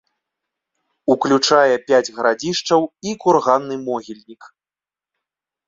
Уключае пяць гарадзішчаў і курганны могільнік.